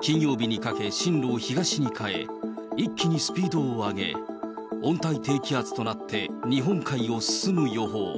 金曜日にかけ、進路を東に変え、一気にスピードを上げ、温帯低気圧となって日本海を進む予報。